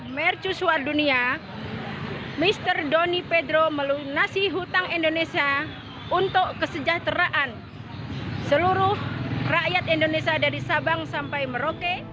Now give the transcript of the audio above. mercusuar dunia mr doni pedro melunasi hutang indonesia untuk kesejahteraan seluruh rakyat indonesia dari sabang sampai merauke